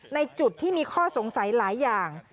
ในจุดที่มีข้อสงสัยหลายอย่าง